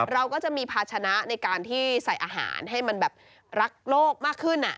เราก็จะมีภาชนะในการที่ใส่อาหารให้มันแบบรักโลกมากขึ้น